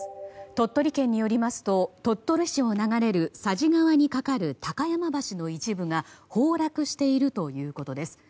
鳥取県によりますと鳥取市を流れる佐治川に架かる高山橋の一部が崩落しているということです。